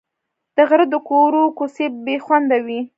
د غره د کورو کوڅې بې خونده وې.